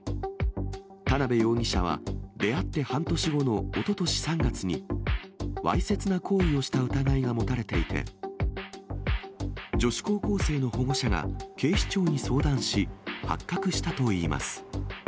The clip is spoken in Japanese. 田辺容疑者は、出会って半年後のおととし３月に、わいせつな行為をした疑いが持たれていて、女子高校生の保護者が警視庁に相談し、発覚したといいます。